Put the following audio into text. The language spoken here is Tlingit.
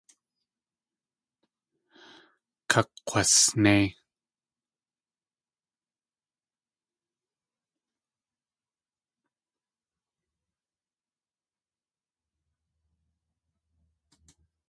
Kakg̲wasnéi.